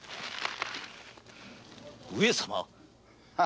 上様！